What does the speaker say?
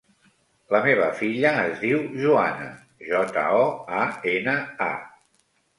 La meva filla es diu Joana: jota, o, a, ena, a.